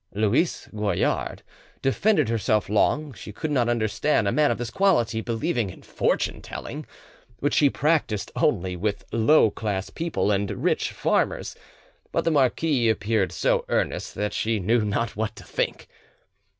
Louise Goillard defended herself long: she could not understand a man of this quality believing in fortune telling, which she practised only with low class people and rich farmers; but the marquis appeared so earnest that she knew not what to think.